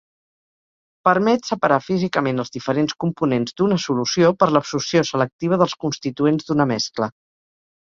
Permet separar físicament els diferents components d'una solució per l'absorció selectiva dels constituents d'una mescla.